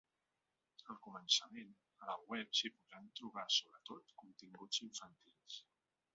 Al començament, a la web s’hi podran trobar sobretot continguts infantils.